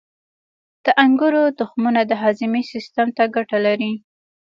• د انګورو تخمونه د هاضمې سیستم ته ګټه لري.